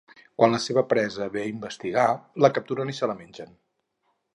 Quan la seva presa ve a investigar, la capturen i se la mengen.